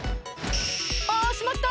あしまった！